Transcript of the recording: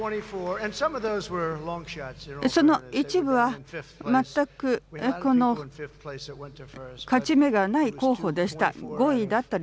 その一部は全く勝ち目がない候補でした。